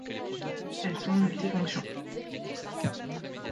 Elles sont multi-fonctions.